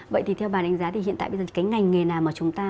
vậy thì theo bà đánh giá thì hiện tại bây giờ cái ngành nghề nào mà chúng ta